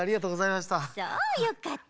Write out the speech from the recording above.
そうよかった。